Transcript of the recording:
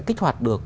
kích hoạt được